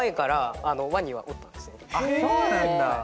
あっそうなんだ。